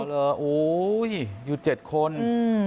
อ๋อเหรอโอ้ยอยู่เจ็ดคนอืม